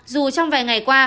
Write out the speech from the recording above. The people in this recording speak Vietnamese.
dù trong vài ngày qua